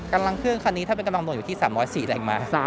กำลังเครื่องคันนี้ถ้าเป็นกำลังด่วนอยู่ที่๓๐๔แรงม้า